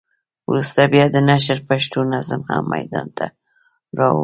وروسته بیا د نشرې پښتو نظم هم ميدان ته راووت.